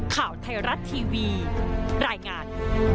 ข่าวไทยรัฐทีวีรายงาน